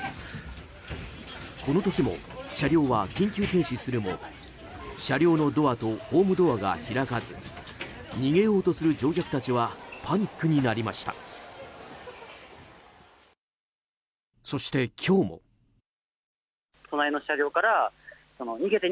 この時も車両は緊急停止するも車両のドアとホームドアが開かず逃げようとする乗客たちはパニックになりました。